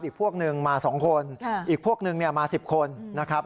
พวกหนึ่งมา๒คนอีกพวกนึงมา๑๐คนนะครับ